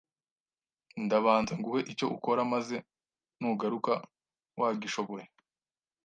ndabanza nguhe icyo ukora maze nugaruka wagishoboye